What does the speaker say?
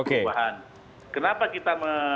perubahan kenapa kita